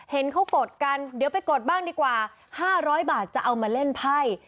เห็นเขากดกันเดี๋ยวไปกดบ้างดีกว่า๕๐๐บาทจะเอามาเล่นไพ่